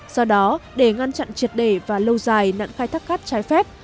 do đó để ngăn chặn triệt đề và lâu dài nạn khai thác cát trái phép